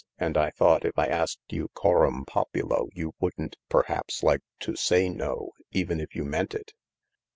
And I thought if I asked you coram poptdo you wouldn't perhaps like to say no, even if you meant it."